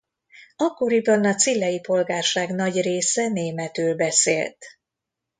Akkoriban a cillei polgárság nagy része németül beszélt.